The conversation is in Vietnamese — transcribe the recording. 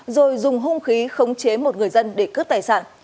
rồi dùng hung khí khống chế một người dân để cướp tài sản